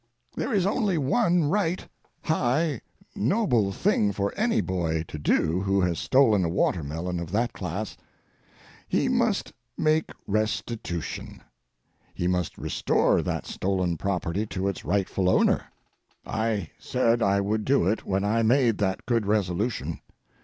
There is only one right, high, noble thing for any boy to do who has stolen a watermelon of that class: he must make restitution; he must restore that stolen property to its rightful owner." I said I would do it when I made that good resolution.